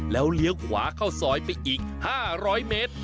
แล้วเลี้ยวขวาเข้าซอยไปอีก๕๐๐เมตร